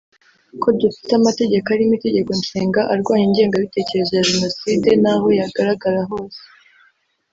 Ko dufite amategeko arimo Itegeko Nshinga arwanya ingengabitekerezo ya Jenoside n’aho yagaragara hose